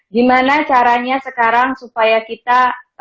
gimana caranya sekarang supaya kita